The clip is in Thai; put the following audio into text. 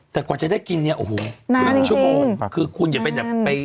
แต่กว่าจะได้กินเนี่ยโอ้โหคือ๑ชั่วโมงคือคุณอย่าไป